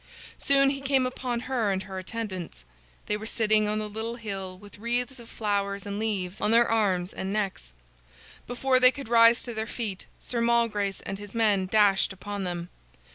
Soon he came upon her and her attendants. They were sitting on a little hill, with wreaths of flowers and leaves on their arms and necks. Before they could rise to their feet, Sir Malgrace and his men dashed upon them.